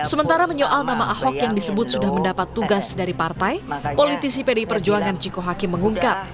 sementara menyoal nama ahok yang disebut sudah mendapat tugas dari partai politisi pdi perjuangan ciko hakim mengungkap